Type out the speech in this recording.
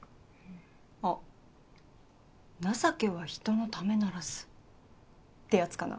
あっ「情けは人のためならず」ってヤツかな。